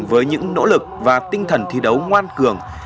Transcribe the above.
với những nỗ lực và tinh thần thi đấu ngoan cường